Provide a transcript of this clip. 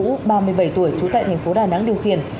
ba mươi bảy tuổi trú tại tp đà nẵng điều khiển